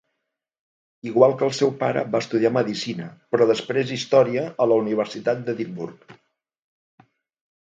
Igual que el seu pare, va estudiar medicina, però després història, a la Universitat d'Edimburg.